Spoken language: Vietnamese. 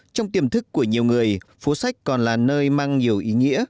trong tiềm thức của nhiều người phố sách còn là nơi mang nhiều ý nghĩa